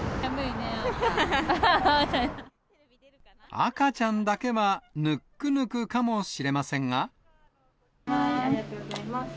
赤ちゃんだけはぬっくぬくかありがとうございます。